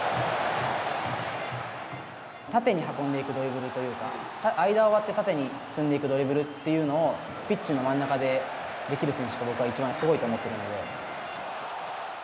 縦に運んでいくドリブルというか間を割って縦に進んでいくドリブルというのをピッチの真ん中でできる選手が僕はいちばんすごいと思っているので。